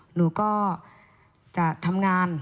หนูก็จะทำงาน